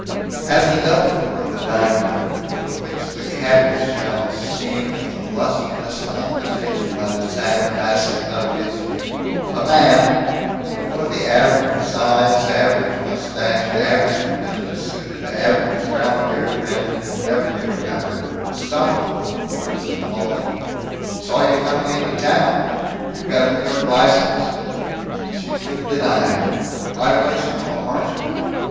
At the double door of the dining room, from which the cabbage smell steamed with a lustiness undiminished by the sad passing of its youth, a man, one of the average sized, average mustached, average business suited, average brown haired men who can never be remembered, stopped the Boltwoods and hawed, "Saw you coming into town. You've got a New York license?" She couldn't deny it. "Quite a ways from home, aren't you?"